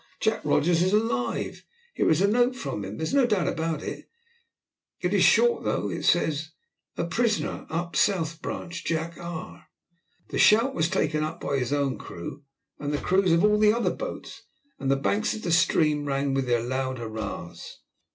Jack Rogers is alive; here is a note from him. There is no doubt about it. It is short though he says, `A prisoner. Up south branch. Jack R.'" The shout was taken up by his own crew and the crews of all the other boats, and the banks of the stream rang with their loud hurrahs.